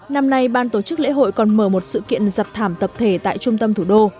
năm nay ban tổ chức lễ hội còn mở một sự kiện giặt thảm tập thể tại trung tâm thủ đô